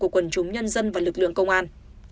của quần chúng nhân dân và lực lượng công an